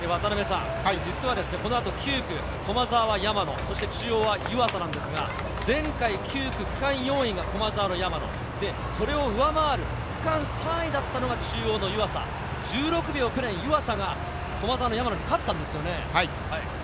実はこの後９区、駒澤は山野、中央は湯浅ですが、前回９区、区間４位が駒澤の山野、それを上回る区間３位だったのが中央の湯浅、１６秒くらい湯浅が駒澤の山野に勝ったんですよね。